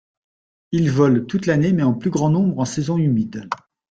Il vole toute l'année mais en plus grand nombre en saison humide.